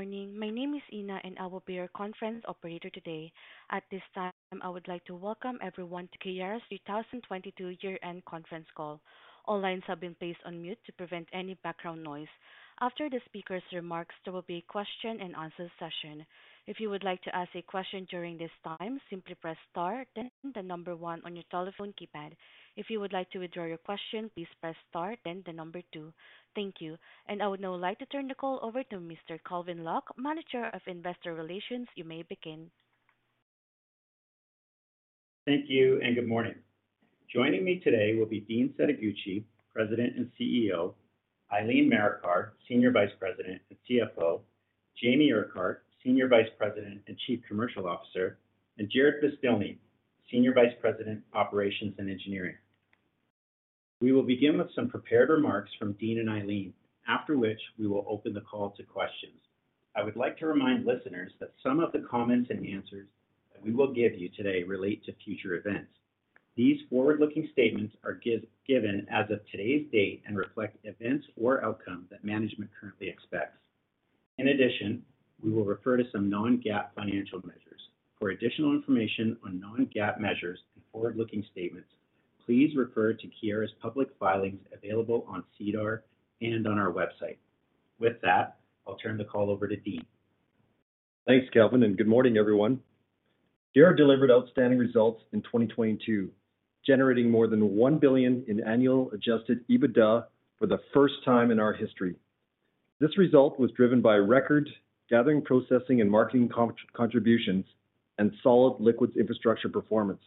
Good morning. My name is Ina, and I will be your conference operator today. At this time, I would like to welcome everyone to Keyera's 2022 Year-End Conference Call. All lines have been placed on mute to prevent any background noise. After the speaker's remarks, there will be a question and answer session. If you would like to ask a question during this time, simply press star then one on your telephone keypad. If you would like to withdraw your question, please press star then two. Thank you. I would now like to turn the call over to Mr. Calvin Locke, Manager of Investor Relations. You may begin. Thank you. Good morning. Joining me today will be Dean Setoguchi, President and CEO, Eileen Marikar, Senior Vice President and CFO, Jamie Urquhart, Senior Vice President and Chief Commercial Officer, and Jarrod Beztilny, Senior Vice President, Operations and Engineering. We will begin with some prepared remarks from Dean and Eileen, after which we will open the call to questions. I would like to remind listeners that some of the comments and answers that we will give you today relate to future events. These forward-looking statements are given as of today's date and reflect events or outcomes that management currently expects. We will refer to some non-GAAP financial measures. For additional information on non-GAAP measures and forward-looking statements, please refer to Keyera's public filings available on SEDAR and on our website. I'll turn the call over to Dean. Thanks, Calvin, and good morning, everyone. Keyera delivered outstanding results in 2022, generating more than $1 billion in annual adjusted EBITDA for the first time in our history. This result was driven by record gathering, processing, and marketing contributions and solid liquids infrastructure performance.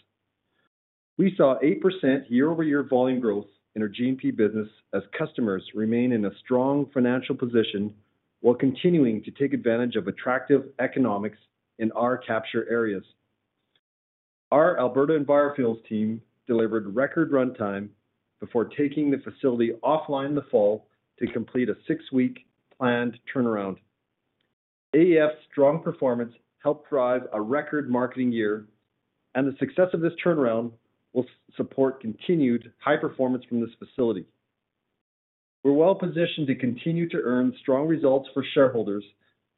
We saw 8% year-over-year volume growth in our G&P business as customers remain in a strong financial position while continuing to take advantage of attractive economics in our capture areas. Our Alberta and biofuels team delivered record runtime before taking the facility offline in the fall to complete a six week planned turnaround. AEF's strong performance helped drive a record marketing year, and the success of this turnaround will support continued high performance from this facility. We're well positioned to continue to earn strong results for shareholders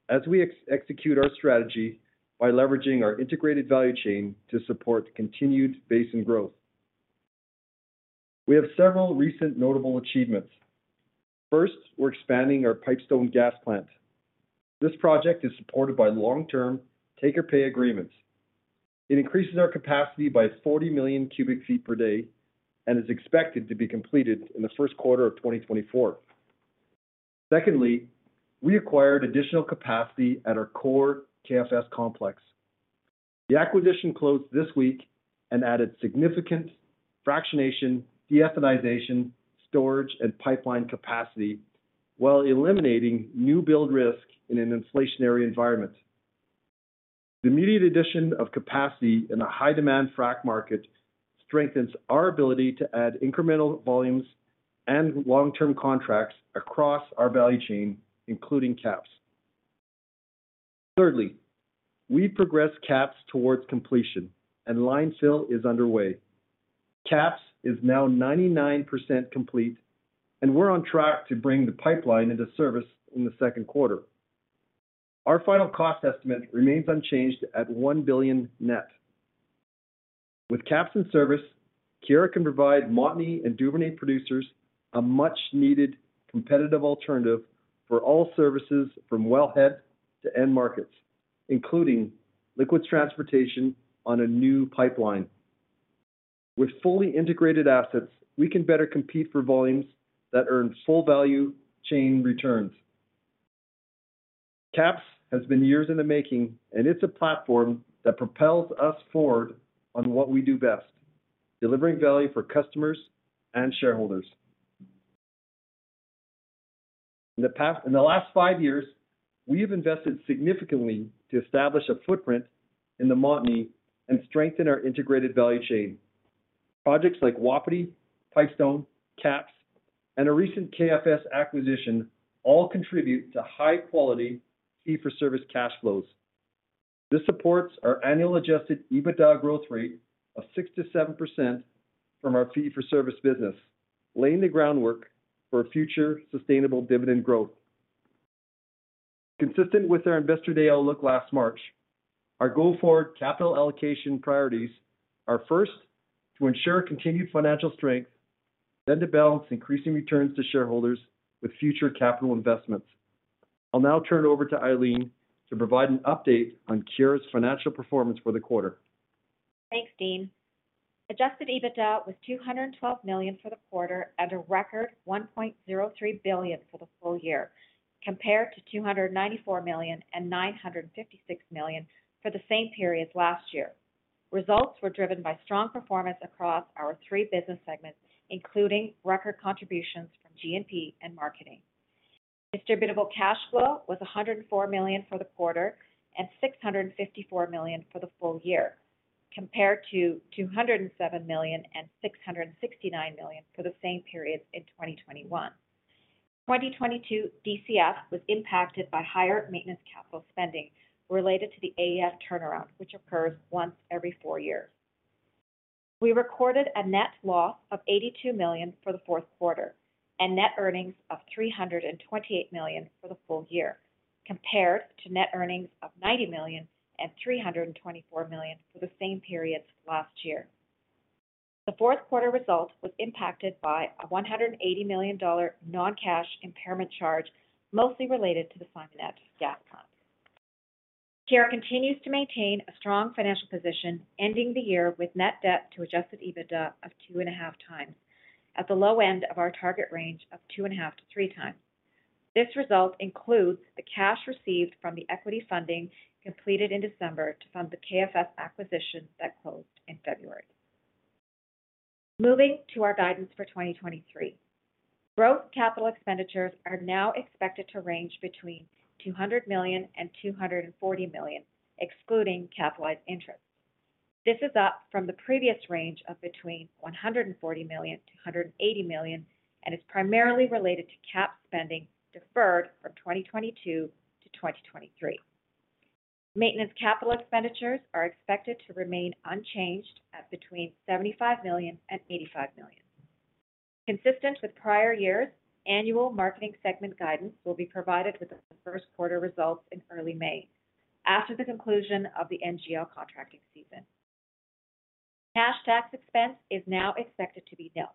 as we execute our strategy by leveraging our integrated value chain to support continued basin growth. We have several recent notable achievements. First, we're expanding our Pipestone gas plant. This project is supported by long-term take-or-pay agreements. It increases our capacity by 40 million cu ft per day and is expected to be completed in the first quarter of 2024. Secondly, we acquired additional capacity at our core KFS complex. The acquisition closed this week and added significant fractionation, de-ethanization, storage, and pipeline capacity while eliminating new build risk in an inflationary environment. The immediate addition of capacity in a high-demand frac market strengthens our ability to add incremental volumes and long-term contracts across our value chain, including KAPS. Thirdly, we progress KAPS towards completion and line fill is underway. KAPS is now 99% complete, and we're on track to bring the pipeline into service in the second quarter. Our final cost estimate remains unchanged at $1 billion net. With KAPS in service, Keyera can provide Montney and Duvernay producers a much-needed competitive alternative for all services from wellhead to end markets, including liquids transportation on a new pipeline. With fully integrated assets, we can better compete for volumes that earn full value chain returns. KAPS has been years in the making, and it's a platform that propels us forward on what we do best, delivering value for customers and shareholders. In the last five years, we have invested significantly to establish a footprint in the Montney and strengthen our integrated value chain. Projects like Wapiti, Pipestone, KAPS, and a recent KFS acquisition all contribute to high-quality fee-for-service cash flows. This supports our annual adjusted EBITDA growth rate of 6%-7% from our fee for service business, laying the groundwork for future sustainable dividend growth. Consistent with our Investor Day outlook last March, our go-forward capital allocation priorities are first to ensure continued financial strength, then to balance increasing returns to shareholders with future capital investments. I'll now turn it over to Eileen to provide an update on Keyera's financial performance for the quarter. Thanks, Dean. Adjusted EBITDA was $212 million for the quarter at a record $1.03 billion for the full year, compared to $294 million and $956 million for the same period last year. Results were driven by strong performance across our three business segments, including record contributions from G&P and marketing. Distributable cash flow was $104 million for the quarter and $654 million for the full year, compared to $207 million and $669 million for the same period in 2021. 2022 DCF was impacted by higher maintenance capital spending related to the AEF turnaround, which occurs once every four years. We recorded a net loss of $82 million for the fourth quarter and net earnings of $328 million for the full year, compared to net earnings of $90 million and $324 million for the same periods last year. The fourth quarter result was impacted by a $180 million non-cash impairment charge, mostly related to the Simonette gas plant. Keyera continues to maintain a strong financial position, ending the year with net debt to adjusted EBITDA of 2.5x, at the low end of our target range of 2.5x-3x. This result includes the cash received from the equity funding completed in December to fund the KFS acquisition that closed in February. Moving to our guidance for 2023. Growth capital expenditures are now expected to range between $200 million and $240 million, excluding capitalized interest. This is up from the previous range of between $140 million-$180 million and is primarily related to CapEx spending deferred from 2022 to 2023. Maintenance capital expenditures are expected to remain unchanged at between $75 million and $85 million. Consistent with prior years, annual Marketing segment guidance will be provided with the first quarter results in early May after the conclusion of the NGL contracting season. Cash tax expense is now expected to be nil,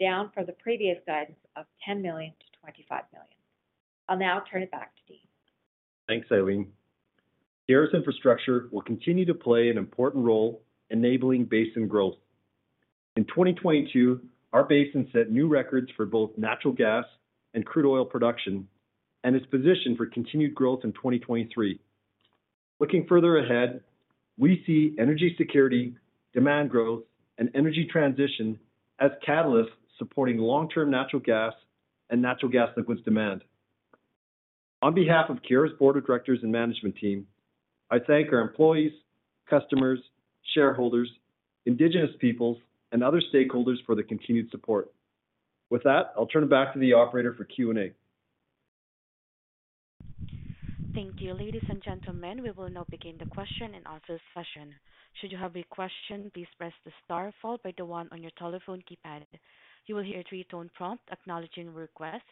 down from the previous guidance of $10 million-$25 million. I'll now turn it back to Dean. Thanks, Eileen. Keyera's infrastructure will continue to play an important role enabling basin growth. In 2022, our basin set new records for both natural gas and crude oil production and is positioned for continued growth in 2023. Looking further ahead, we see energy security, demand growth, and energy transition as catalysts supporting long-term natural gas and natural gas liquids demand. On behalf of Keyera's board of directors and management team, I thank our employees, customers, shareholders, indigenous peoples, and other stakeholders for their continued support. I'll turn it back to the operator for Q&A. Thank you. Ladies and gentlemen, we will now begin the question and answer session. Should you have a question, please press the star followed by the one on your telephone keypad. You will hear a three tone prompt acknowledging your request.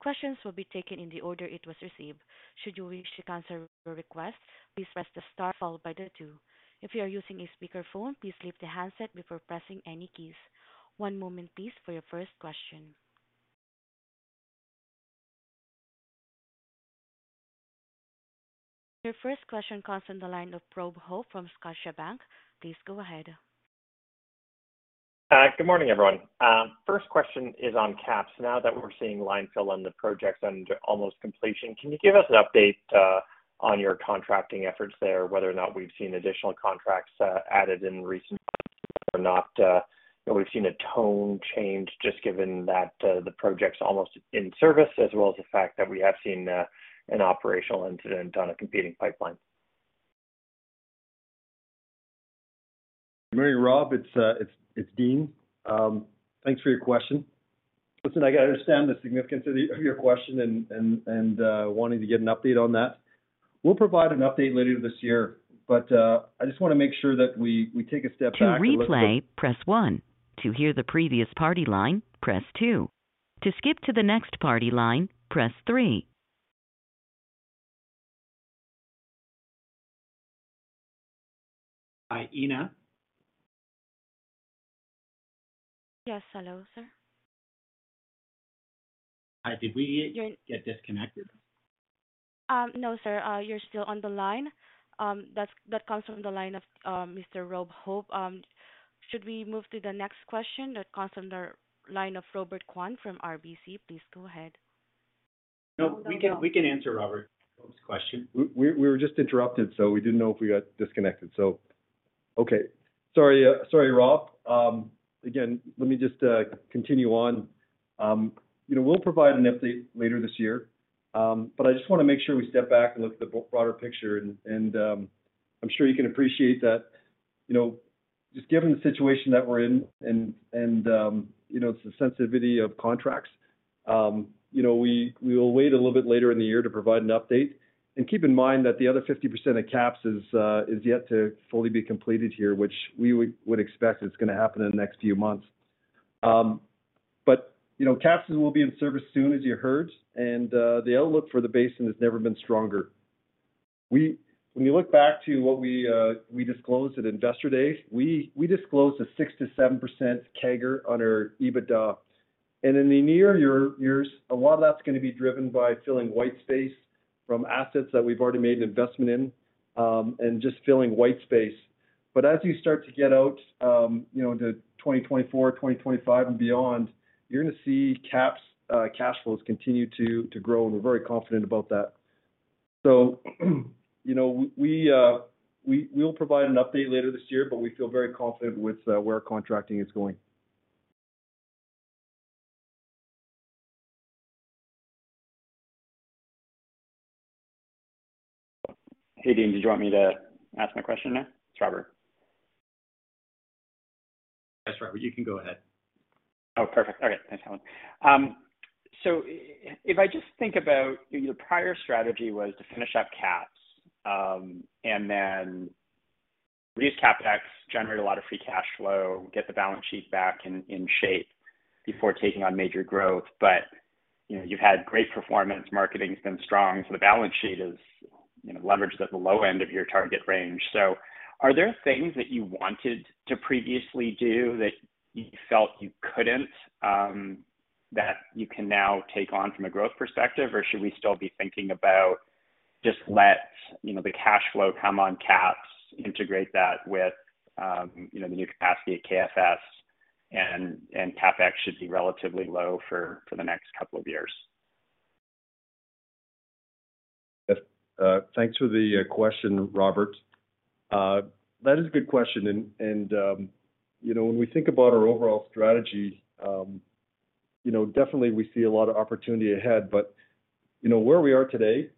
Questions will be taken in the order it was received. Should you wish to cancel your request, please press the star followed by the two. If you are using a speakerphone, please leave the handset before pressing any keys. one moment, please, for your first question. Your first question comes from the line of Rob Hope from Scotiabank. Please go ahead. Good morning, everyone. First question is on KAPS. Now that we're seeing line fill on the projects under almost completion, can you give us an update on your contracting efforts there, whether or not we've seen additional contracts added in recent months or not? You know, we've seen a tone change just given that the project's almost in service as well as the fact that we have seen an operational incident on a competing pipeline. Good morning, Rob. It's Dean. Thanks for your question. Listen, I understand the significance of your question and wanting to get an update on that. We'll provide an update later this year, but I just wanna make sure that we take a step back and look at. To replay, press one. To hear the previous party line, press two. To skip to the next party line, press three. Hi, Ina. Yes. Hello, sir. Hi. Did we get- You're- Get disconnected? no, sir. you're still on the line. that comes from the line of Mr. Rob Hope. should we move to the next question that comes from the line of Robert Kwan from RBC? Please go ahead. No, we can answer Robert Hope's question. We were just interrupted. We didn't know if we got disconnected. Okay. Sorry, sorry, Rob. Again, let me just continue on. You know, we'll provide an update later this year, but I just wanna make sure we step back and look at the broader picture and, I'm sure you can appreciate that, you know, just given the situation that we're in and, you know, it's the sensitivity of contracts, you know, we will wait a little bit later in the year to provide an update. Keep in mind that the other 50% of KAPS is yet to fully be completed here, which we would expect is gonna happen in the next few months. You know, KAPS will be in service soon, as you heard, and the outlook for the basin has never been stronger. When you look back to what we disclosed at Investor Day, we disclosed a 6%-7% CAGR on our EBITDA. In the near years, a lot of that's gonna be driven by filling white space from assets that we've already made an investment in, and just filling white space. As you start to get out, you know, into 2024, 2025, and beyond, you're gonna see KAPS cash flows continue to grow, and we're very confident about that. You know, we'll provide an update later this year, but we feel very confident with where our contracting is going. Hey, Dean, did you want me to ask my question now? It's Robert. Yes, Robert, you can go ahead. Oh, perfect. Okay. Thanks, Helen. If I just think about your prior strategy was to finish up KAPS, and then reduce CapEx, generate a lot of free cash flow, get the balance sheet back in shape before taking on major growth. You know, you've had great performance, marketing's been strong, so the balance sheet is, you know, leveraged at the low end of your target range. Are there things that you wanted to previously do that you felt you couldn't, that you can now take on from a growth perspective? Should we still be thinking about just let, you know, the cash flow come on KAPS, integrate that with, you know, the new capacity at KFS, and CapEx should be relatively low for the next couple of years? Thanks for the question, Robert. That is a good question. You know, when we think about our overall strategy, you know, definitely we see a lot of opportunity ahead. You know, where we are today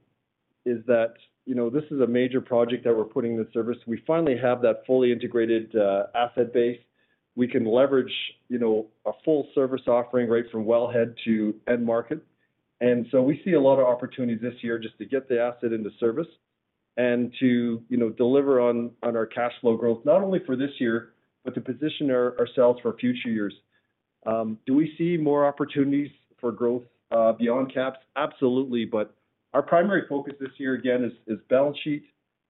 is that, you know, this is a major project that we're putting into service. We finally have that fully integrated asset base. We can leverage, you know, a full service offering right from well head to end market. We see a lot of opportunities this year just to get the asset into service and to, you know, deliver on our cash flow growth, not only for this year, but to position ourselves for future years. Do we see more opportunities for growth beyond KAPS? Absolutely. Our primary focus this year, again, is balance sheet.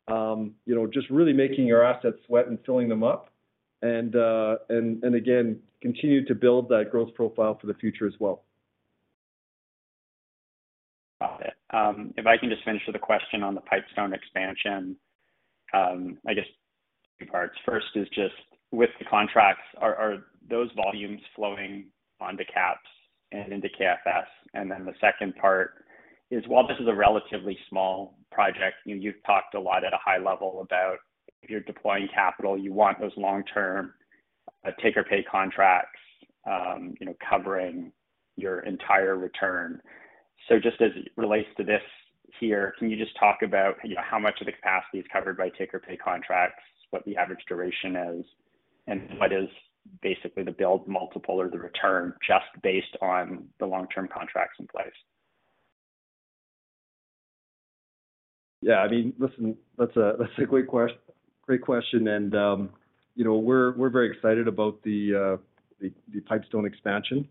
You know, just really making our assets sweat and filling them up and again, continue to build that growth profile for the future as well. Got it. If I can just finish with a question on the Pipestone expansion. I guess two parts. First is just with the contracts, are those volumes flowing onto KAPS and into KFS? The second part is, while this is a relatively small project, you know, you've talked a lot at a high level about if you're deploying capital, you want those long-term take-or-pay contracts, you know, covering your entire return. Just as it relates to this here, can you just talk about, you know, how much of the capacity is covered by take-or-pay contracts, what the average duration is, and what is basically the build multiple or the return just based on the long-term contracts in place? Yeah, I mean, listen, that's a great question. You know, we're very excited about the Pipestone expansion.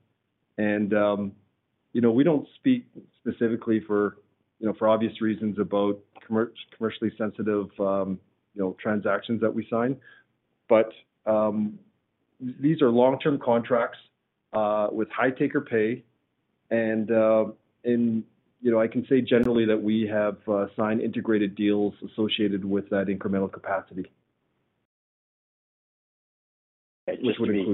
You know, we don't speak specifically for, you know, for obvious reasons about commercially sensitive, you know, transactions that we sign. These are long-term contracts with high take-or-pay. You know, I can say generally that we have signed integrated deals associated with that incremental capacity. Just to be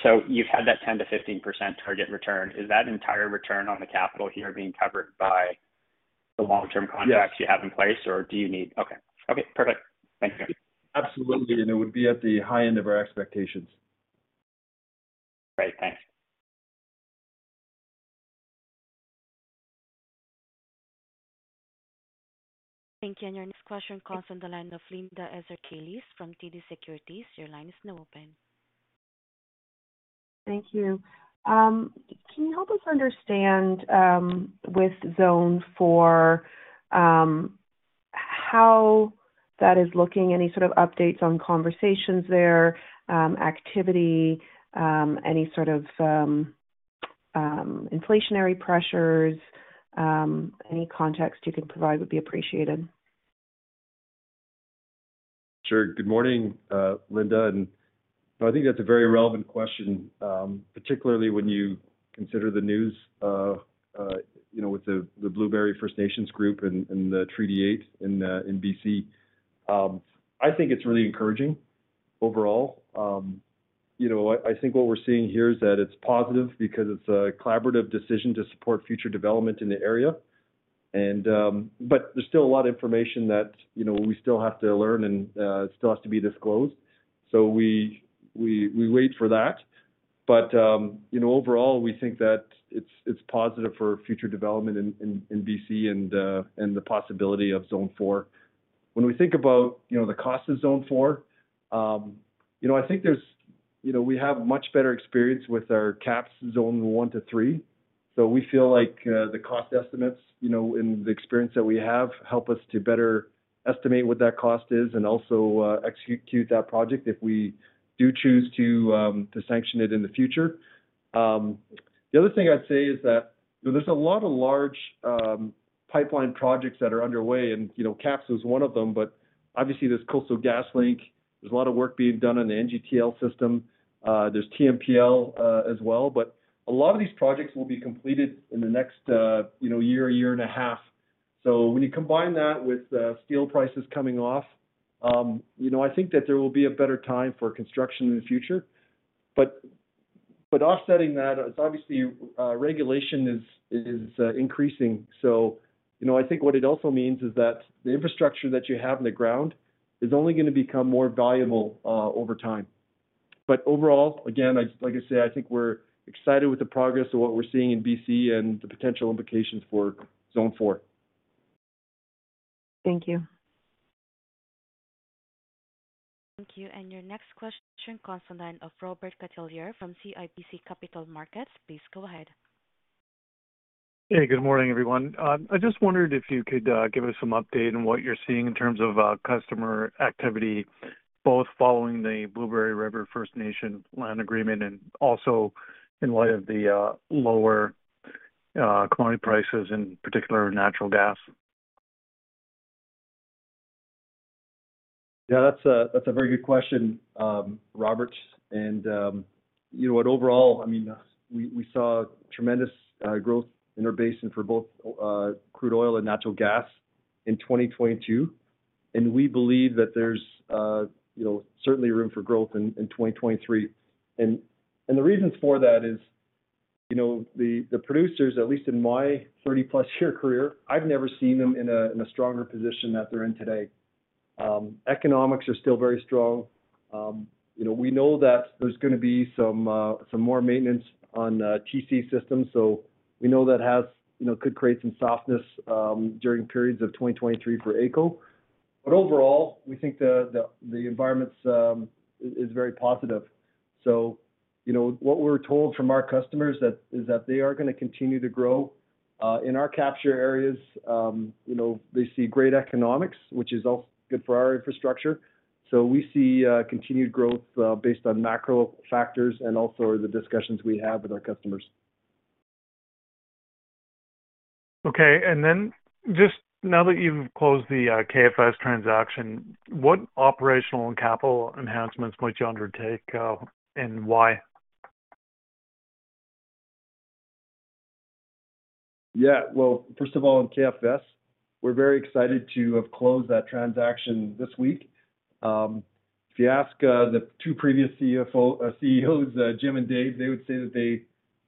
clear, like you've had that 10%-15% target return. Is that entire return on the capital here being covered by the long-term contracts? Yes. you have in place, or do you need... Okay. Okay, perfect. Thank you. Absolutely. It would be at the high end of our expectations. Great. Thanks. Thank you. Your next question comes on the line of Linda Ezergailis from TD Securities. Your line is now open. Thank you. Can you help us understand with Zone four how that is looking? Any sort of updates on conversations there, activity, any sort of inflationary pressures? Any context you can provide would be appreciated. Sure. Good morning, Linda. I think that's a very relevant question, particularly when you consider the news, you know, with the Blueberry First Nations group in the Treaty 8 in BC. I think it's really encouraging overall. You know, I think what we're seeing here is that it's positive because it's a collaborative decision to support future development in the area. There's still a lot of information that, you know, we still have to learn and still has to be disclosed. We wait for that. You know, overall, we think that it's positive for future development in BC and the possibility of Zone four. When we think about, you know, the cost of Zone four, you know, I think there's... You know, we have much better experience with our KAPS Zone one to three. We feel like, the cost estimates, you know, and the experience that we have help us to better estimate what that cost is and also, execute that project if we do choose to sanction it in the future. The other thing I'd say is that there's a lot of large pipeline projects that are underway, and, you know, KAPS was one of them. Obviously, there's Coastal GasLink. There's a lot of work being done on the NGTL system. There's TMPL as well. A lot of these projects will be completed in the next, you know, year and a half. When you combine that with steel prices coming off, you know, I think that there will be a better time for construction in the future. Offsetting that is obviously regulation is increasing. You know, I think what it also means is that the infrastructure that you have in the ground is only gonna become more valuable over time. Overall, again, like I say, I think we're excited with the progress of what we're seeing in BC and the potential implications for Zone four. Thank you. Thank you. And your next question comes on the line of Robert Catellier from CIBC Capital Markets. Please go ahead. Good morning, everyone. I just wondered if you could give us some update on what you're seeing in terms of customer activity, both following the Blueberry River First Nations land agreement and also in light of the lower commodity prices, in particular natural gas? Yeah, that's a very good question, Robert. And you know overall, I mean, we saw tremendous growth in our basin for both crude oil and natural gas in 2022. We believe that there's, you know, certainly room for growth in 2023. The reasons for that is, you know, the producers, at least in my 30+ year career, I've never seen them in a stronger position that they're in today. Economics are still very strong. You know, we know that there's gonna be some more maintenance on TC systems. We know that has, you know, could create some softness during periods of 2023 for AECO. Overall, we think the environment's is very positive. you know, what we're told from our customers is that they are gonna continue to grow in our capture areas. you know, they see great economics, which is also good for our infrastructure. We see continued growth based on macro factors and also the discussions we have with our customers. Okay. Just now that you've closed the, KFS transaction, what operational and capital enhancements might you undertake, and why? Well, first of all, on KFS, we are very excited to have closed that transaction this week. If you ask the two previous CEOs, Jim and Dave, they would say that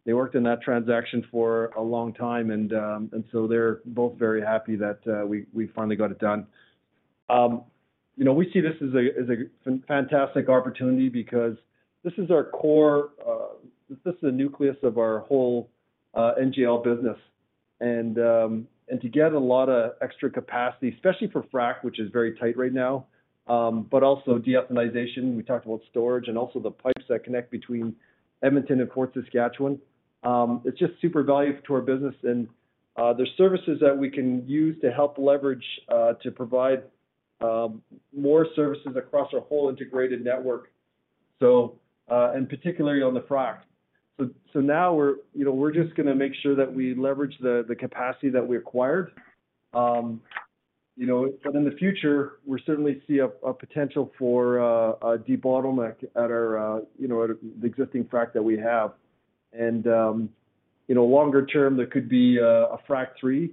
they worked on that transaction for a long time, and so they are both very happy that we finally got it done. You know, we see this as a fantastic opportunity because this is our core, this is the nucleus of our whole NGL business. And to get a lot of extra capacity, especially for frac, which is very tight right now, but also de-ethanization, we talked about storage and also the pipes that connect between Edmonton and Fort Saskatchewan. It's just super valuable to our business and there's services that we can use to help leverage to provide more services across our whole integrated network. Particularly on the frac. Now we're, you know, we're just gonna make sure that we leverage the capacity that we acquired. In the future, we certainly see a potential for a debottleneck at our existing frac that we have. Longer term, there could be a frac three.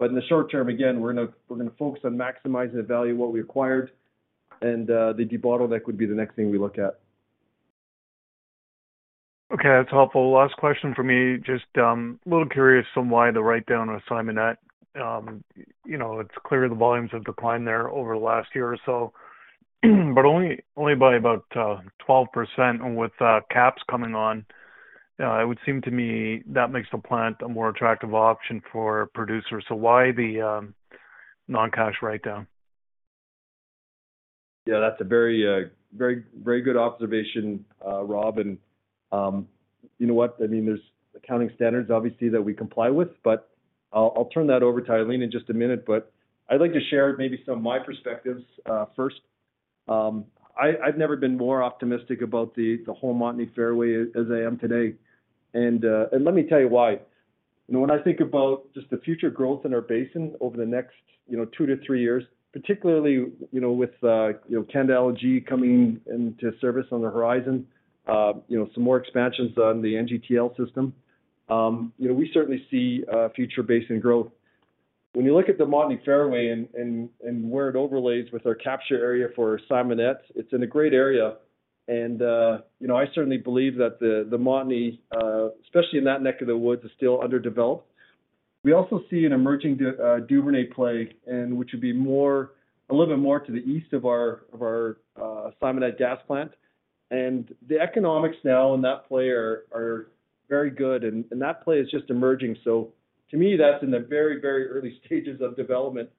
In the short term, again, we're gonna focus on maximizing the value of what we acquired and the debottleneck would be the next thing we look at. Okay. That's helpful. Last question for me, just a little curious on why the write-down on Simonette. You know, it's clear the volumes have declined there over the last year or so, but only by about 12% with KAPS coming on. It would seem to me that makes the plant a more attractive option for producers. Why the non-cash write-down? Yeah, that's a very good observation, Rob. You know what? I mean, there's accounting standards obviously that we comply with, but I'll turn that over to Eileen in just a minute, but I'd like to share maybe some of my perspectives first. I've never been more optimistic about the whole Montney Fairway as I am today. Let me tell you why. You know, when I think about just the future growth in our basin over the next, you know, two to three years, particularly, you know, with, you know, LNG Canada coming into service on the horizon, you know, some more expansions on the NGTL system, you know, we certainly see future basin growth. When you look at the Montney Fairway and where it overlays with our capture area for Simonette, it's in a great area and, you know, I certainly believe that the Montney, especially in that neck of the woods, is still underdeveloped. We also see an emerging Duvernay play which would be more, a little bit more to the east of our Simonette gas plant. The economics now in that play are very good, and that play is just emerging. To me, that's in the very early stages of development.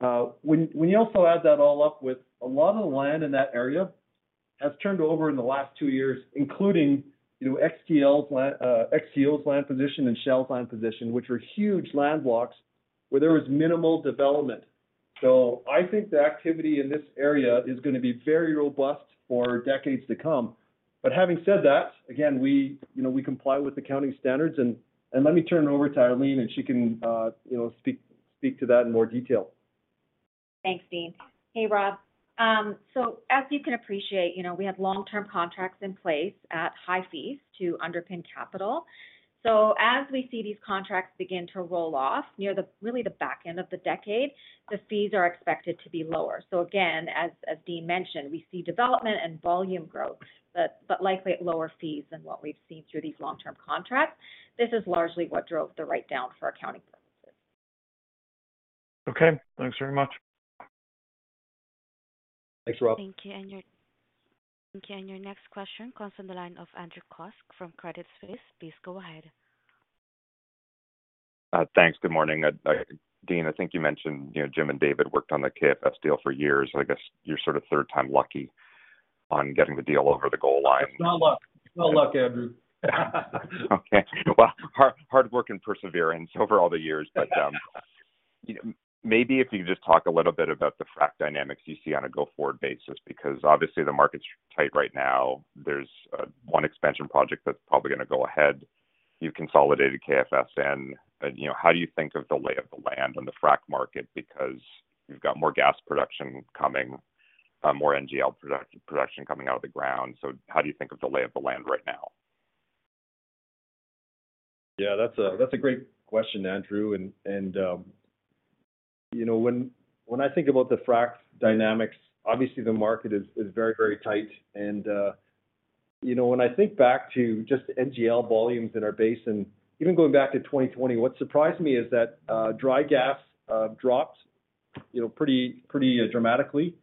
When you also add that all up with a lot of the land in that area has turned over in the last two years, including, you know, XTO's land position and Shell's land position, which are huge land blocks where there was minimal development. I think the activity in this area is gonna be very robust for decades to come. Having said that, again, we, you know, we comply with accounting standards. Let me turn it over to Eileen and she can, you know, speak to that in more detail. Thanks, Dean. Hey, Rob. As you can appreciate, you know, we have long-term contracts in place at high fees to underpin capital. As we see these contracts begin to roll off near the, really the back end of the decade, the fees are expected to be lower. Again, as Dean mentioned, we see development and volume growth, but likely at lower fees than what we've seen through these long-term contracts. This is largely what drove the write-down for accounting purposes. Okay. Thanks very much. Thanks, Rob. Thank you. Your next question comes from the line of Andrew Kuske from Credit Suisse. Please go ahead. Thanks. Good morning. Dean, I think you mentioned, you know, Jim and David worked on the KFS deal for years. I guess you're sort of third time lucky on getting the deal over the goal line. It's not luck. It's not luck, Andrew. Well, hard work and perseverance over all the years. Maybe if you could just talk a little bit about the frac dynamics you see on a go-forward basis, because obviously the market's tight right now. There's one expansion project that's probably gonna go ahead. You consolidated KFS and, you know, how do you think of the lay of the land on the frac market? Because you've got more gas production coming, more NGL production coming out of the ground. How do you think of the lay of the land right now? Yeah, that's a great question, Andrew. you know, when I think about the frac dynamics, obviously the market is very tight. you know, when I think back to just NGL volumes in our basin, even going back to 2020, what surprised me is that dry gas dropped, you know, pretty dramatically.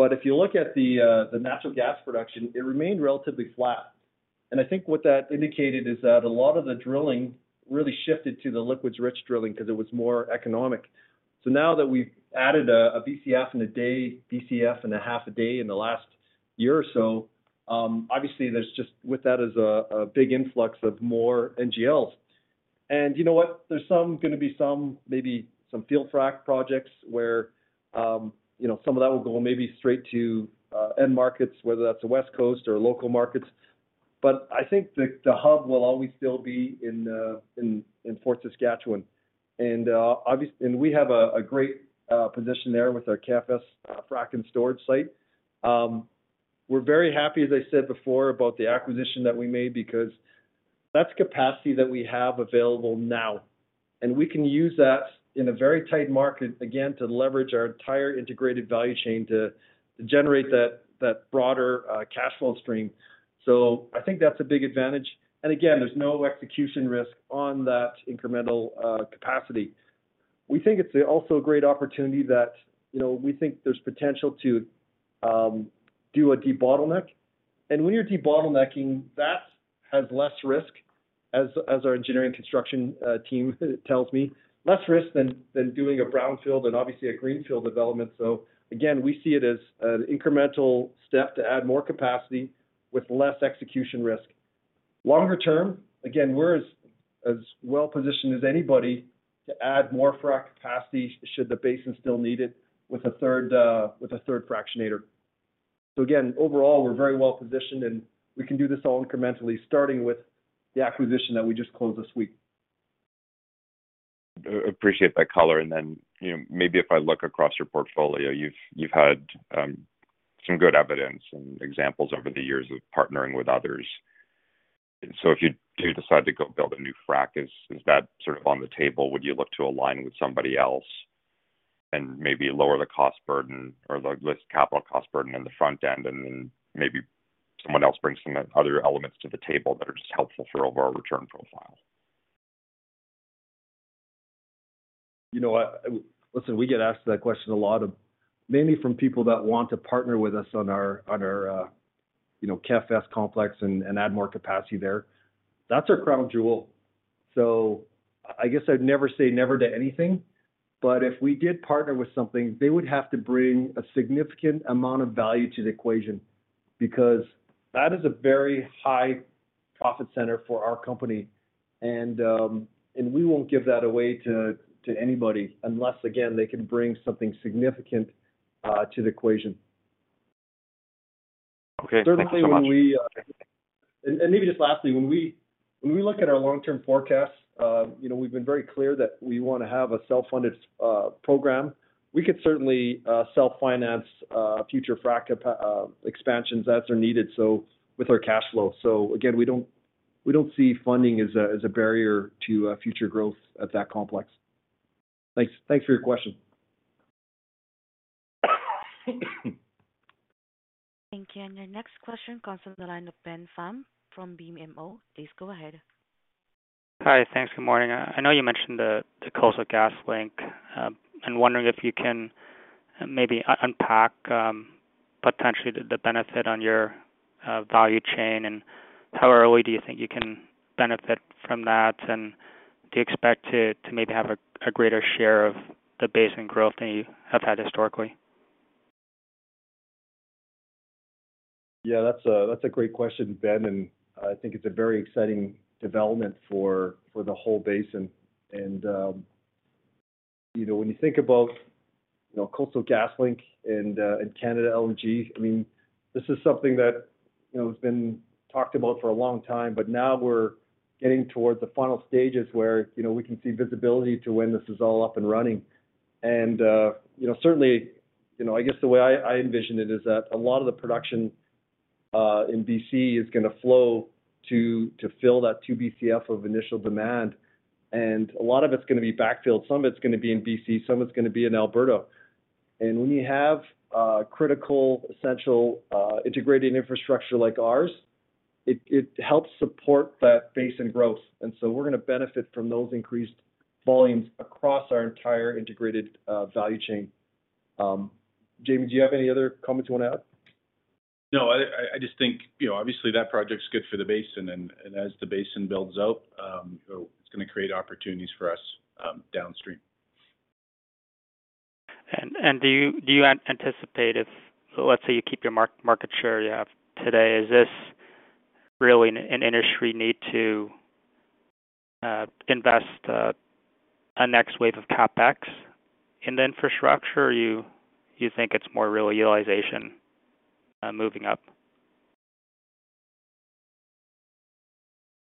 If you look at the natural gas production, it remained relatively flat. I think what that indicated is that a lot of the drilling really shifted to the liquids rich drilling because it was more economic. Now that we've added a Bcf in a day, Bcf in half a day in the last year or so, obviously there's just with that is a big influx of more NGLs. you know what? There's some gonna be some, maybe some field frac projects where, you know, some of that will go maybe straight to end markets, whether that's the West Coast or local markets. I think the hub will always still be in Fort Saskatchewan. We have a great position there with our KFS frac and storage site. We're very happy, as I said before, about the acquisition that we made because that's capacity that we have available now, and we can use that in a very tight market again to leverage our entire integrated value chain to generate that broader cash flow stream. I think that's a big advantage. Again, there's no execution risk on that incremental capacity. We think it's also a great opportunity that, you know, we think there's potential to do a debottleneck. When you're debottlenecking, that has less risk as our engineering construction team tells me, less risk than doing a brownfield and obviously a greenfield development. Again, we see it as an incremental step to add more capacity with less execution risk. Longer term, again, we're as well positioned as anybody to add more frac capacity should the basin still need it with a third fractionator. Again, overall, we're very well positioned, and we can do this all incrementally, starting with the acquisition that we just closed this week. Appreciate that color. You know, maybe if I look across your portfolio, you've had, some good evidence and examples over the years of partnering with others. If you do decide to go build a new frac, is that sort of on the table? Would you look to align with somebody else and maybe lower the cost burden or the list capital cost burden on the front end, maybe someone else brings some other elements to the table that are just helpful for overall return profile? You know what? Listen, we get asked that question a lot mainly from people that want to partner with us on our, you know, KFS complex and add more capacity there. That's our crown jewel. I guess I'd never say never to anything, but if we did partner with something, they would have to bring a significant amount of value to the equation, because that is a very high profit center for our company. We won't give that away to anybody unless, again, they can bring something significant to the equation. Okay. Thanks so much. Certainly when we maybe just lastly, when we look at our long-term forecasts, you know, we've been very clear that we wanna have a self-funded program. We could certainly self-finance future frac capa-- expansions as they're needed, so with our cash flow. Again, we don't see funding as a barrier to future growth at that complex. Thanks. Thanks for your question. Thank you. Your next question comes from the line of Ben Pham from BMO. Please go ahead. Hi. Thanks. Good morning. I know you mentioned the Coastal GasLink. I'm wondering if you can maybe unpack potentially the benefit on your value chain. How early do you think you can benefit from that? Do you expect to maybe have a greater share of the basin growth than you have had historically? Yeah, that's a great question, Ben, and I think it's a very exciting development for the whole basin. You know, when you think about, you know, Coastal GasLink and Canada LNG, I mean, this is something that, you know, has been talked about for a long time, but now we're getting towards the final stages where, you know, we can see visibility to when this is all up and running. You know, certainly, you know, I guess the way I envision it is that a lot of the production in BC is gonna flow to fill that two BCF of initial demand. A lot of it's gonna be backfilled. Some of it's gonna be in BC, some of it's gonna be in Alberta. When you have critical, essential, integrated infrastructure like ours. It helps support that base and growth. We're gonna benefit from those increased volumes across our entire integrated value chain. Jamie, do you have any other comments you wanna add? No, I just think, you know, obviously that project's good for the basin and as the basin builds out, you know, it's gonna create opportunities for us downstream. do you anticipate so let's say you keep your market share you have today, is this really an industry need to invest a next wave of CapEx in the infrastructure? Or you think it's more real utilization moving up?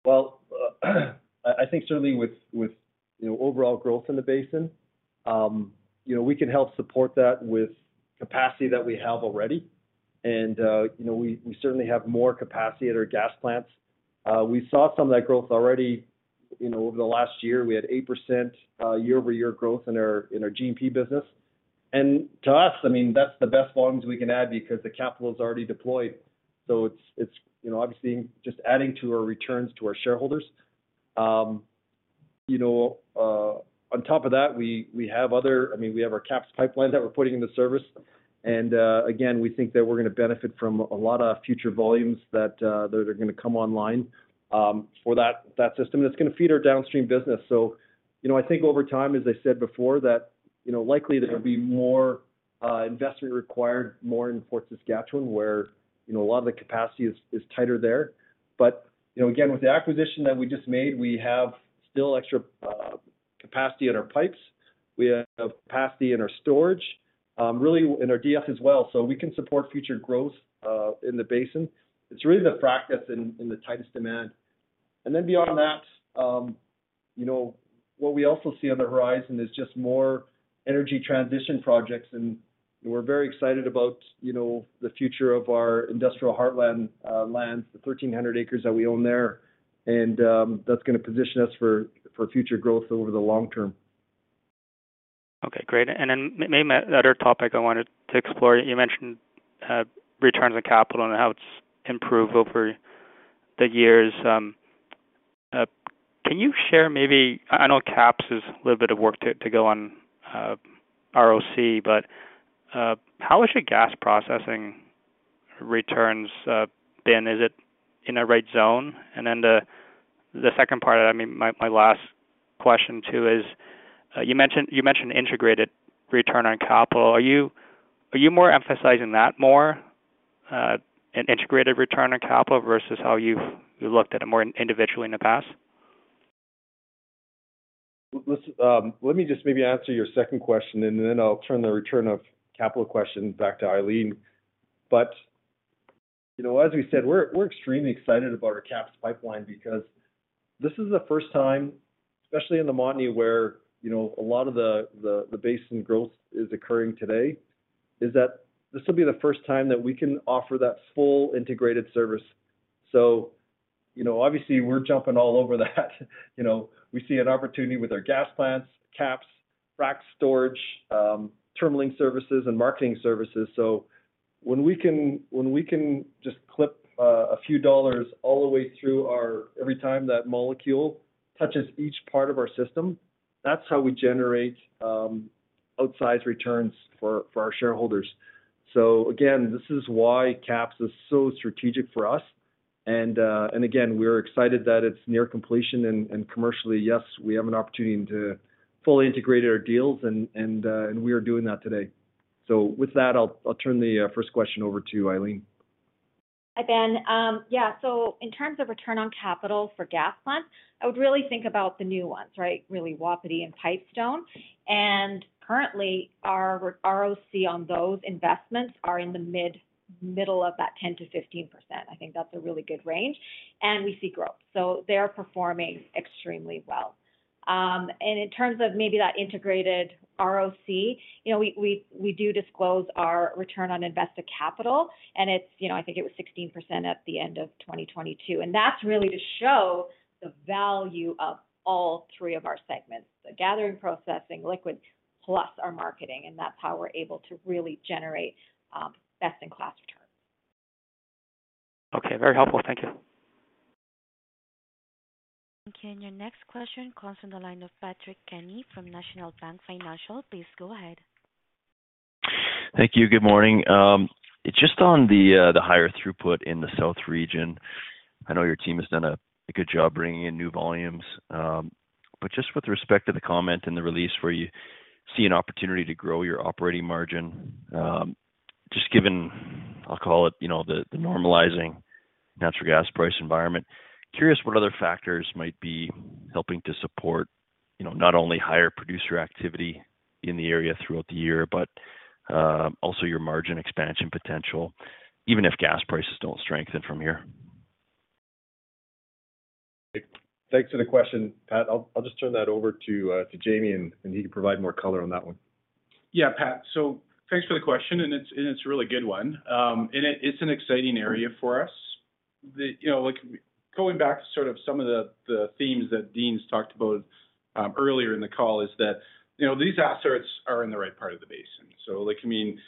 Well, I think certainly with, you know, overall growth in the basin, you know, we can help support that with capacity that we have already. You know, we certainly have more capacity at our gas plants. We saw some of that growth already, you know, over the last year. We had 8% year-over-year growth in our G&P business. To us, I mean, that's the best volumes we can add because the capital is already deployed. It's, you know, obviously just adding to our returns to our shareholders. You know, on top of that, I mean, we have our KAPS pipeline that we're putting into service. Again, we think that we're gonna benefit from a lot of future volumes that that are gonna come online for that system. It's gonna feed our downstream business. You know, I think over time, as I said before, that, you know, likely there will be more investment required more in Fort Saskatchewan, where, you know, a lot of the capacity is tighter there. You know, again, with the acquisition that we just made, we have still extra capacity in our pipes. We have capacity in our storage, really in our DF as well. We can support future growth in the basin. It's really the frac that's in the tightest demand. Beyond that, you know, what we also see on the horizon is just more energy transition projects and we're very excited about, you know, the future of our industrial heartland, lands, the 1,300 acres that we own there. That's gonna position us for future growth over the long term. Okay, great. Maybe another topic I wanted to explore. You mentioned returns on capital and how it's improved over the years. Can you share maybe? I know KAPS is a little bit of work to go on ROC, but how is your gas processing returns been? Is it in a right zone? The second part, I mean, my last question too is, you mentioned integrated return on capital. Are you more emphasizing that more, an integrated return on capital versus how you've looked at it more individually in the past? Let me just maybe answer your second question and then I'll turn the return of capital question back to Eileen. You know, as we said, we're extremely excited about our KAPS pipeline because this is the first time, especially in the Montney where, you know, a lot of the basin growth is occurring today, is that this will be the first time that we can offer that full integrated service. You know, obviously we're jumping all over that. You know, we see an opportunity with our gas plants, KAPS, frac storage, terminalling services and marketing services. When we can just clip a few dollars all the way through every time that molecule touches each part of our system, that's how we generate outsized returns for our shareholders. So again, this is why KAPS is so strategic for us. Again, we're excited that it's near completion and commercially, yes, we have an opportunity to fully integrate our deals and we are doing that today. With that, I'll turn the first question over to you, Eileen. Hi, Ben. Yeah. In terms of return on capital for gas plants, I would really think about the new ones, right? Really Wapiti and Pipestone. Currently our ROC on those investments are in the mid-middle of that 10%-15%. I think that's a really good range, and we see growth. They are performing extremely well. In terms of maybe that integrated ROC, you know, we do disclose our return on invested capital, and it's, you know, I think it was 16% at the end of 2022. That's really to show the value of all three of our segments, the gathering, processing, liquids, plus our marketing, and that's how we're able to really generate best in class returns. Okay. Very helpful. Thank you. Thank you. Your next question comes from the line of Patrick Kenny from National Bank Financial. Please go ahead. Thank you. Good morning. Just on the higher throughput in the south region, I know your team has done a good job bringing in new volumes. Just with respect to the comment in the release where you see an opportunity to grow your operating margin, just given, I'll call it, you know, the normalizing natural gas price environment, curious what other factors might be helping to support, you know, not only higher producer activity in the area throughout the year, but also your margin expansion potential, even if gas prices don't strengthen from here? Thanks for the question, Pat. I'll just turn that over to Jamie, and he can provide more color on that one. Pat, thanks for the question, it's a really good one. It's an exciting area for us. The, you know, like going back to sort of some of the themes that Dean's talked about earlier in the call is that, you know, these assets are in the right part of the basin. Like, I mean,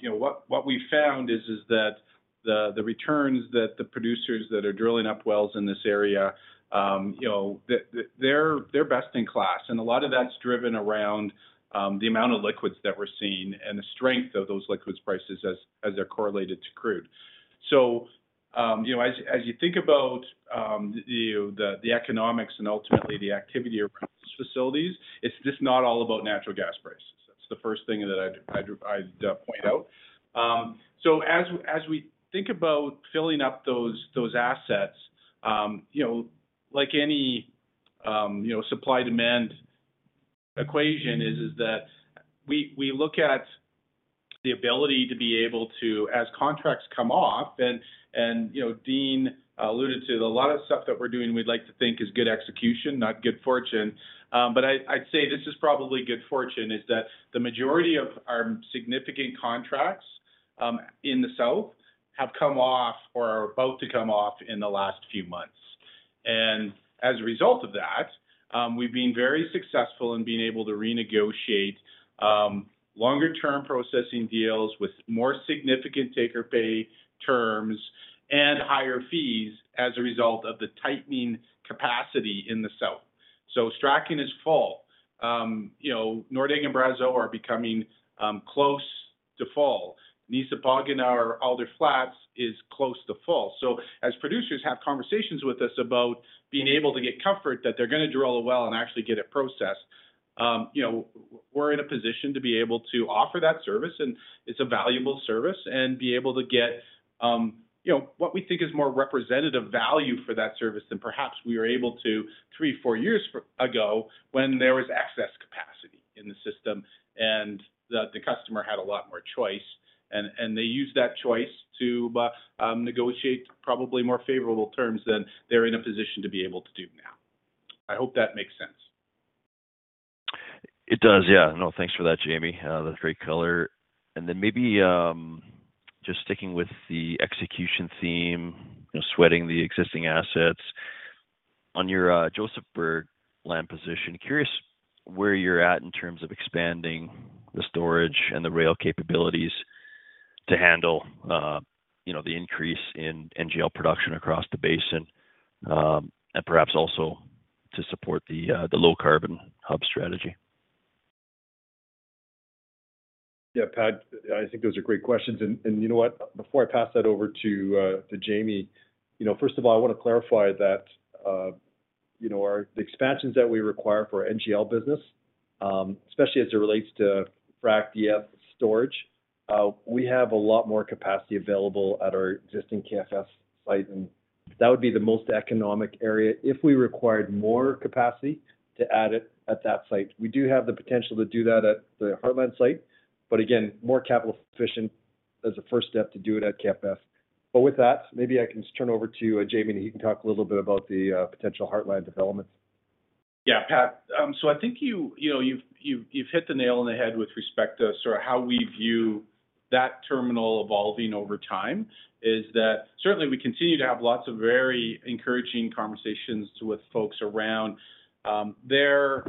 you know what we found is that the returns that the producers that are drilling up wells in this area, you know, they're best in class, and a lot of that's driven around the amount of liquids that we're seeing and the strength of those liquids prices as they're correlated to crude. You know, as you think about, you know, the economics and ultimately the activity around these facilities, it's just not all about natural gas prices. That's the first thing that I'd point out. As we think about filling up those assets, you know, like any, you know, supply-demand equation that we look at the ability to be able to, as contracts come off, you know, Dean alluded to a lot of stuff that we're doing we'd like to think is good execution, not good fortune. I'd say this is probably good fortune, is that the majority of our significant contracts, in the south have come off or are about to come off in the last few months. As a result of that, we've been very successful in being able to re-negotiate longer term processing deals with more significant take-or-pay terms and higher fees as a result of the tightening capacity in the south. Strachan is full. You know, Nordegg and Brazeau are becoming close to full. Nees-Ohpawganu'ck or Alder Flats is close to full. As producers have conversations with us about being able to get comfort that they're gonna drill a well and actually get it processed, you know, we're in a position to be able to offer that service, and it's a valuable service, and be able to get, you know, what we think is more representative value for that service than perhaps we were able to three, four years ago when there was excess capacity in the system and the customer had a lot more choice. They used that choice to negotiate probably more favorable terms than they're in a position to be able to do now. I hope that makes sense. It does. Yeah. No, thanks for that, Jamie. That's great color. Maybe, just sticking with the execution theme, you know, sweating the existing assets. On your Josephburg land position, curious where you're at in terms of expanding the storage and the rail capabilities to handle, you know, the increase in NGL production across the basin, and perhaps also to support the low carbon hub strategy. Yeah. Pat, I think those are great questions. You know what, before I pass that over to Jamie, you know, first of all, I wanna clarify that, you know, the expansions that we require for NGL business, especially as it relates to frac DF storage, we have a lot more capacity available at our existing KFS site, and that would be the most economic area if we required more capacity to add it at that site. We do have the potential to do that at the Heartland site, but again, more capital efficient as a first step to do it at KFS. With that, maybe I can just turn over to Jamie, and he can talk a little bit about the potential Heartland developments. Yeah, Pat. I think you know, you've hit the nail on the head with respect to sort of how we view that terminal evolving over time, is that certainly we continue to have lots of very encouraging conversations with folks around their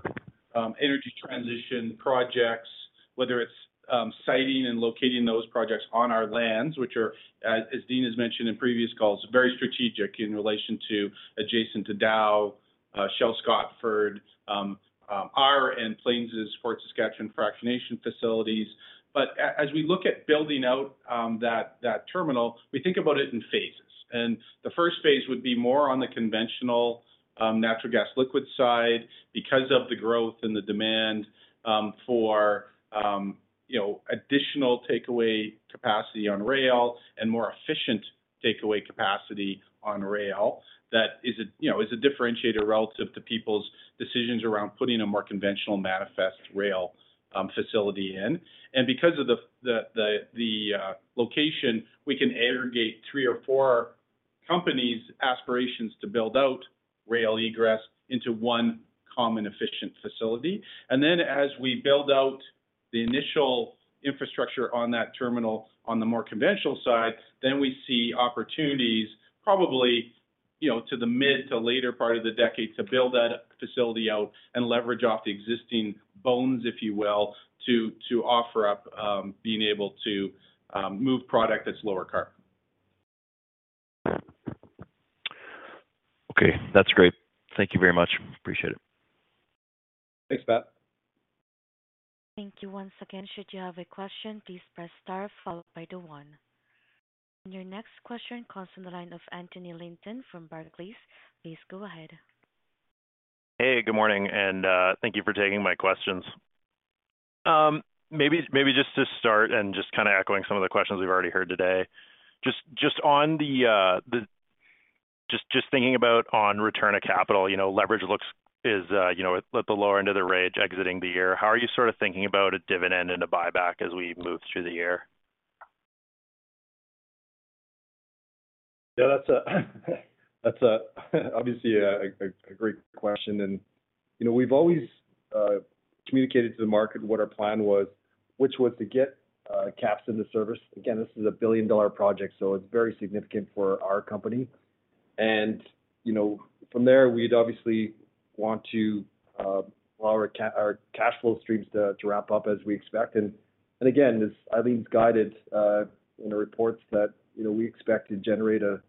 energy transition projects, whether it's siting and locating those projects on our lands, which are, as Dean has mentioned in previous calls, very strategic in relation to adjacent to Dow, Shell Scotford, our and Plains' Fort Saskatchewan fractionation facilities. As we look at building out that terminal, we think about it in phases. The first phase would be more on the conventional natural gas liquid side because of the growth and the demand for, you know, additional takeaway capacity on rail and more efficient takeaway capacity on rail that is, you know, is a differentiator relative to people's decisions around putting a more conventional manifest rail facility in. Because of the location, we can aggregate three or four companies' aspirations to build out rail egress into one common efficient facility. As we build out the initial infrastructure on that terminal on the more conventional side, then we see opportunities probably, you know, to the mid to later part of the decade to build that facility out and leverage off the existing bones, if you will, to offer up being able to move product that's lower carbon. Okay. That's great. Thank you very much. Appreciate it. Thanks, Pat. Thank you once again. Should you have a question, please press star followed by the one. Your next question comes from the line of Anthony Linton from Barclays. Please go ahead. Good morning, thank you for taking my questions. Maybe just to start and just kinda echoing some of the questions we've already heard today. Just thinking about on return of capital, you know, leverage is, you know, at the lower end of the range exiting the year. How are you sort of thinking about a dividend and a buyback as we move through the year? Yeah, that's a, obviously a great question. You know, we've always communicated to the market what our plan was, which was to get KAPS in the service. Again, this is a $1 billion project, so it's very significant for our company. You know, from there, we'd obviously want to allow our cash flow streams to ramp up as we expect. Again, as I think it's guided in the reports that, you know, we expect to generate a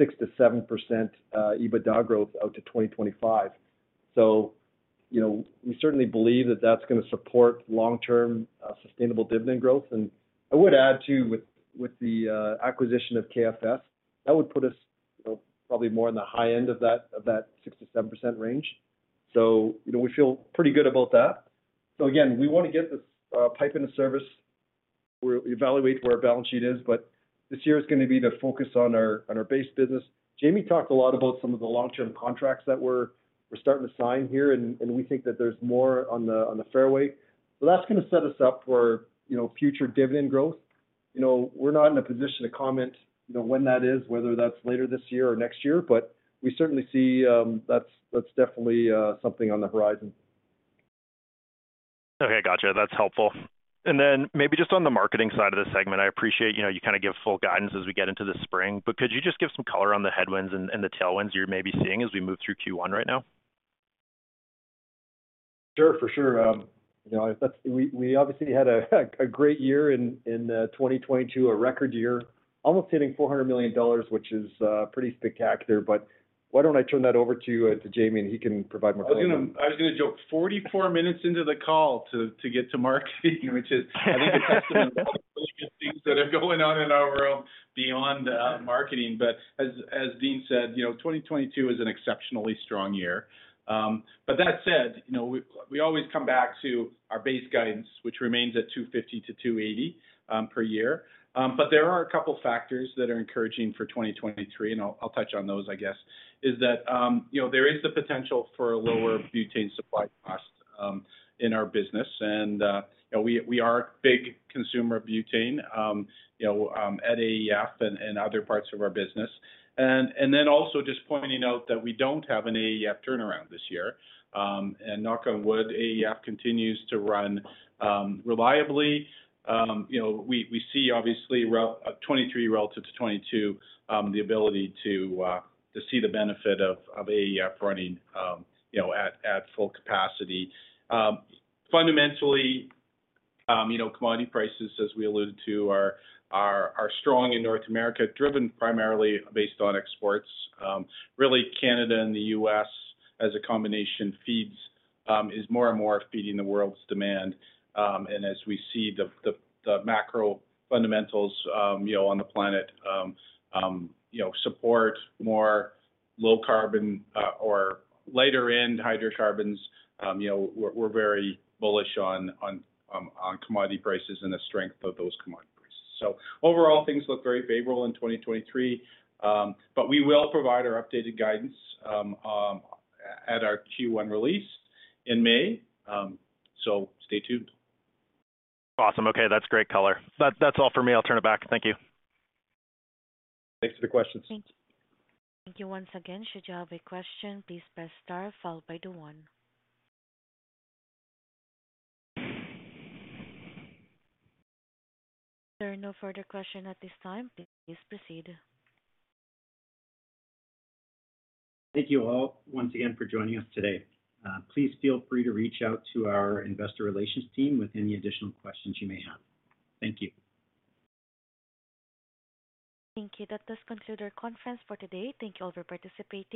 6%-7% EBITDA growth out to 2025. You know, we certainly believe that that's gonna support long-term sustainable dividend growth. I would add too, with the acquisition of KFS, that would put us, you know, probably more in the high end of that 6%-7% range. You know, we feel pretty good about that. Again, we wanna get this pipe in the service. We'll evaluate where our balance sheet is, but this year is gonna be the focus on our base business. Jamie talked a lot about some of the long-term contracts that we're starting to sign here, and we think that there's more on the fairway. That's gonna set us up for, you know, future dividend growth. You know, we're not in a position to comment, you know, when that is, whether that's later this year or next year, but we certainly see that's definitely something on the horizon. Okay. Gotcha. That's helpful. Then maybe just on the marketing side of the segment, I appreciate, you know, you kinda give full guidance as we get into the spring, but could you just give some color on the headwinds and the tailwinds you're maybe seeing as we move through Q1 right now? Sure. For sure. you know, we obviously had a great year in 2022, a record year, almost hitting $400 million, which is pretty spectacular. Why don't I turn that over to Jamie, and he can provide more color on that. I was gonna joke, 44 minutes into the call to get to marketing, which I think it's actually one of the really good things that are going on in our world beyond marketing. As Dean said, you know, 2022 is an exceptionally strong year. That said, you know, we always come back to our base guidance, which remains at $250-$280 per year. There are a couple factors that are encouraging for 2023, I'll touch on those, I guess. Is that, you know, there is the potential for a lower butane supply cost in our business. You know, we are a big consumer of butane at AEF and other parts of our business. Then also just pointing out that we don't have an AEF turnaround this year. Knock on wood, AEF continues to run reliably. You know, we see obviously 2023 relative to 2022, the ability to see the benefit of AEF running at full capacity. Fundamentally, you know, commodity prices, as we alluded to, are strong in North America, driven primarily based on exports. Really, Canada and the U.S. as a combination feeds is more and more feeding the world's demand. As we see the macro fundamentals, you know, on the planet, you know, support more low carbon or lighter end hydrocarbons, you know, we're very bullish on commodity prices and the strength of those commodity prices. Overall, things look very favorable in 2023. We will provide our updated guidance at our Q1 release in May. So stay tuned. Awesome. Okay. That's great color. That's all for me. I'll turn it back. Thank you. Thanks for the questions. Thank you once again. Should you have a question, please press star followed by the one. If there are no further question at this time, please proceed. Thank you all once again for joining us today. Please feel free to reach out to our investor relations team with any additional questions you may have. Thank you. Thank you. That does conclude our conference for today. Thank you all for participating.